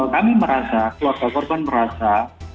kami merasa keluarga korban merasa